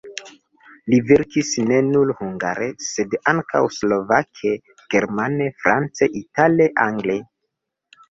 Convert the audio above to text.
Li verkis ne nur hungare, sed ankaŭ slovake, germane, france, itale, angle.